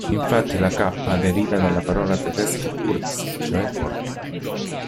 Infatti la "K" derivava dalla parola tedesca "Kurtz" cioè "corto".